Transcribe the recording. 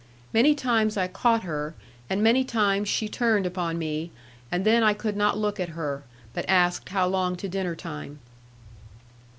Many times I caught her, and many times she turned upon me, and then I could not look at her, but asked how long to dinner time.